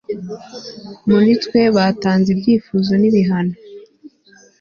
muri twe? batanze ibyifuzo n'ibihano